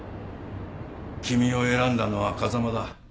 君を選んだのは風間だ。